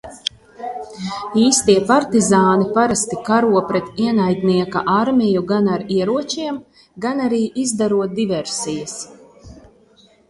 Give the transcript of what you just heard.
Īstie partizāni parasti karo pret ienaidnieka armiju gan ar ieročiem, gan arī izdarot diversijas.